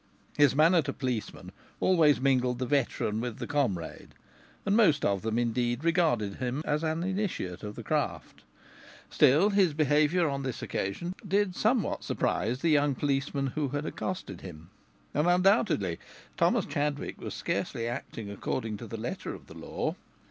His manner to policemen always mingled the veteran with the comrade, and most of them indeed regarded him as an initiate of the craft. Still, his behaviour on this occasion did somewhat surprise the young policeman who had accosted him. And undoubtedly Thomas Chadwick was scarcely acting according to the letter of the law.